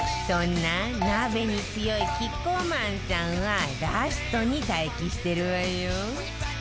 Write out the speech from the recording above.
そんな鍋に強いキッコーマンさんはラストに待機してるわよ